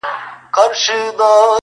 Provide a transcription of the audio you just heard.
ما یي کمرونو کي لعلونه غوښتل!.